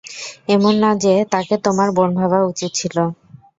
এমন না যে, তাকে তোমার বোন ভাবা উচিত ছিল।